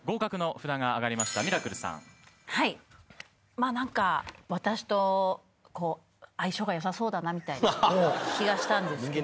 まあ何か私と相性がよさそうだなみたいな気がしたんですけども。